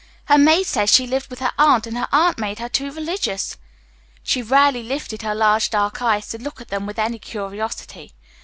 "Her maid says she lived with her aunt, and her aunt made her too religious." She rarely lifted her large dark eyes to look at them with any curiosity.